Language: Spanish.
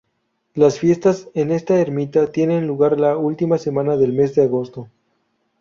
Las fiestas en esta ermita tienen lugar la última semana del mes de agosto.